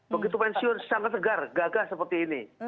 begitu pensiun sangat segar gagah seperti ini